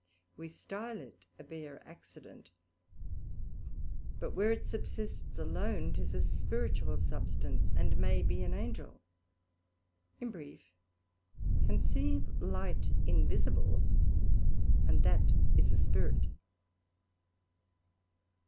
We stile it a bare accident, but where it subsists alone, 'tis a spiritual Substance, and may be an Angel: in brief, conceive light invisible, and that is a Spirit.